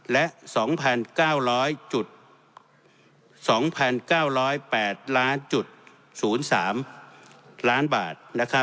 และ๒๙๐๐๓ล้านบาท